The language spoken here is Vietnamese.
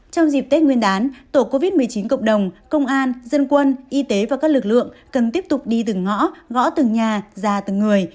trong dịp tết nguyên đán tổ covid một mươi chín cộng đồng công an dân quân y tế và các lực lượng cần tiếp tục đi từng ngõ gõ từng nhà ra từng người